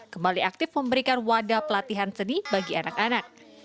kembali aktif memberikan wadah pelatihan seni bagi anak anak